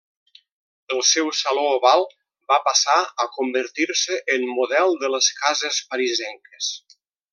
El seu saló oval va passar a convertir-se en model de les cases parisenques.